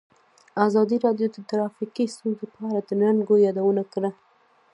ازادي راډیو د ټرافیکي ستونزې په اړه د ننګونو یادونه کړې.